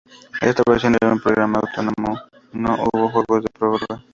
Esta versión era un programa autónomo; no hubo juegos de prórroga.